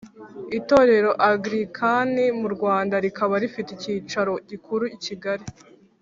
Itorero angilicane mu Rwanda rikaba rifite ikicaro gikura Kigali